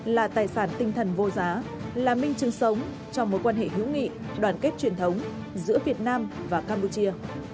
là tài sản tinh thần vô giá là minh chứng sống cho mối quan hệ hữu nghị đoàn kết truyền thống giữa việt nam và campuchia